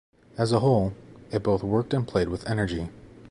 As a whole, it both worked and played with energy.